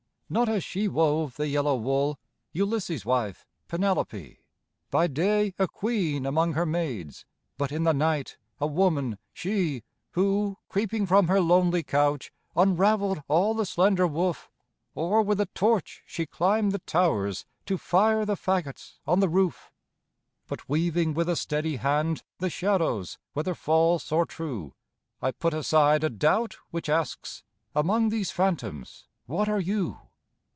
Not as she wove the yellow wool, Ulysses' wife, Penelope; By day a queen among her maids, But in the night a woman, she, Who, creeping from her lonely couch, Unraveled all the slender woof; Or, with a torch, she climbed the towers, To fire the fagots on the roof! But weaving with a steady hand The shadows, whether false or true, I put aside a doubt which asks "Among these phantoms what are you?"